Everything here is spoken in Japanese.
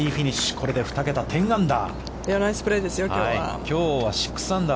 これで２桁、１０アンダー。